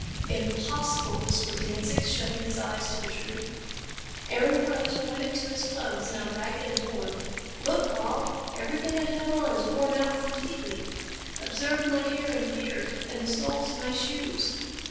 "Impossible!" whispered Danzig, shutting his eyes to the truth. Aaron Carruthers pointed to his clothes, now ragged and torn. "Look, Karl! Everything I have on is worn out completely. Observe my hair and beard, and the soles of my shoes.